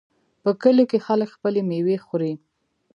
په کلیو کې خلک خپلې میوې خوري.